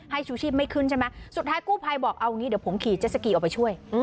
ชูชีพไม่ขึ้นใช่ไหมสุดท้ายกู้ภัยบอกเอางี้เดี๋ยวผมขี่เจสสกีออกไปช่วย